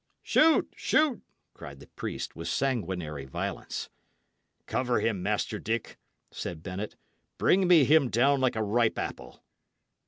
"Shoot! shoot!" cried the priest, with sanguinary violence. "Cover him, Master Dick," said Bennet. "Bring me him down like a ripe apple."